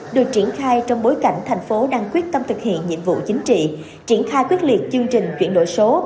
được triển khai trong bối cảnh thành phố đang quyết tâm thực hiện nhiệm vụ chính trị triển khai quyết liệt chương trình chuyển đổi số